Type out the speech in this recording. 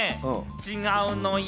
違うのよ。